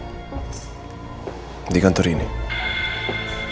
semua barang roy saya simpan di gudang